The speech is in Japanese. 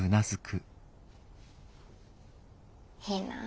いいなあ。